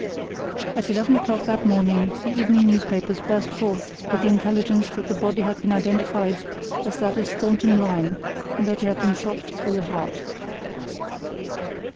At eleven o'clock that morning the evening newspapers burst forth with the intelligence that the body had been identified as that of Thornton Lyne, and that he had been shot through the heart.